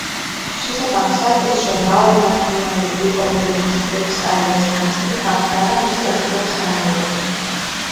შესაბამისად, ეს შოუ მრავალი განთქმული ამერიკელი კომედიური მსახიობის კარიერის დამწყები გამხდარა მისი არსებობის განმავლობაში.